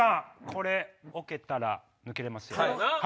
これ置けたら抜けれますよ。